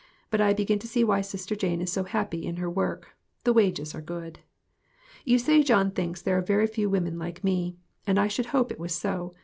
But I begin to see why Sister Jane is so happy in her work; the wages are good. You say John thinks there are very few women like me, and I should hope it was so.